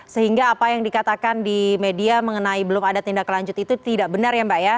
sehingga apa yang dikatakan di media mengenai belum ada tindak lanjut itu tidak benar ya mbak ya